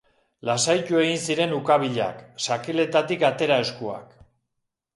Lasaitu egin ziren ukabilak, sakeletatik atera eskuak.